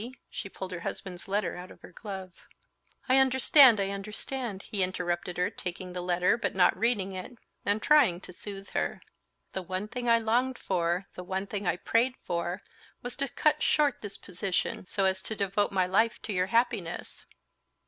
she pulled her husband's letter out of her glove. "I understand, I understand," he interrupted her, taking the letter, but not reading it, and trying to soothe her. "The one thing I longed for, the one thing I prayed for, was to cut short this position, so as to devote my life to your happiness."